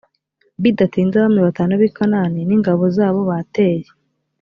bidatinze abami batanu bi kanani n ingabo zabo bateye